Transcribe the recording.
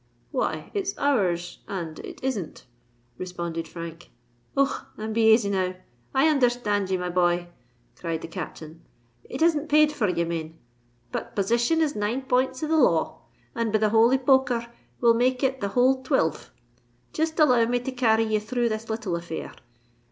"Why—it's ours, and it isn't," responded Frank. "Och! and be asy now—I understand ye, my boy!" cried the Captain. "It isn't paid fur, ye mane—but possission is nine points of the law; and, be the holy poker r! we'll make it the whole twilve. Jest allow me to carry ye through this little affair.